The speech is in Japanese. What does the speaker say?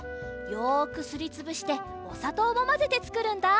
よくすりつぶしておさとうをまぜてつくるんだ。